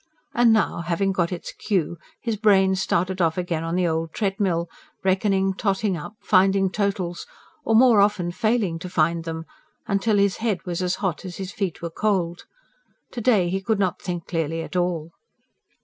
And now, having got its cue, his brain started off again on the old treadmill, reckoning, totting up, finding totals, or more often failing to find them, till his head was as hot as his feet were cold. To day he could not think clearly at all.